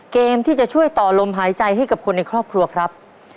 เกมที่จะช่วยต่อลมหายใจให้กับคนในครอบครัวครับ